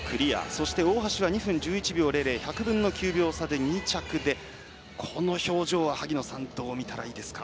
そして、大橋は２分１８秒００１００分の９秒差で２着で、この表情は萩野さんどう見たらいいですか？